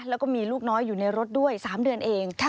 แล้วก็มีลูกน้อยอยู่ในรถด้วย๓เดือนเอง